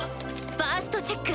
ファーストチェック。